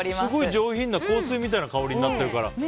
すごい、上品な香水みたいな香りになってるから。